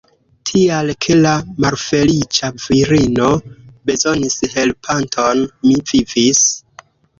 Tial ke la malfeliĉa virino bezonis helpanton, mi vivis.